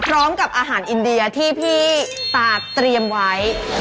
พร้อมกับอาหารอินเดียที่พี่ตาเตรียมไว้